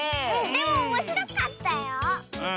でもおもしろかったよ。